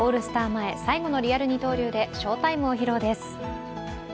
前、最後のリアル二刀流で翔タイムを披露です。